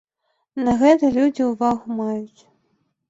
На гэта людзі ўвагу маюць.